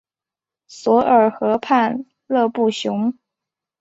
索尔河畔勒布雄。